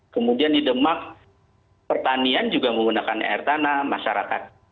kemudian di demak pertanian juga menggunakan air tanah masyarakat